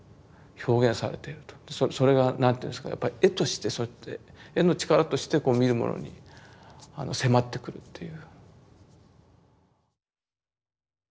それが何ていうんですかやっぱり絵としてそうやって絵の力として見る者に迫ってくるっていう。